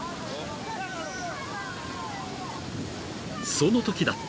［そのときだった］